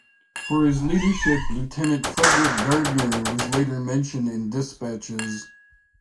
For his leadership Lieutenant Frederick Gardner was later Mentioned in Despatches.